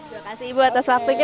terima kasih ibu atas waktunya